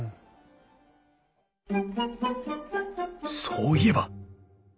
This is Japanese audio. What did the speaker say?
そういえば！